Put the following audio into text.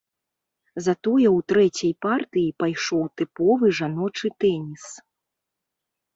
Затое ў трэцяй партыі пайшоў тыповы жаночы тэніс.